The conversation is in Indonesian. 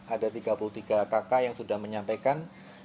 ada tiga puluh tiga kakak yang sudah menyampaikan